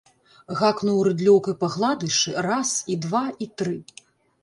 Гакнуў рыдлёўкай па гладышы раз і два і тры!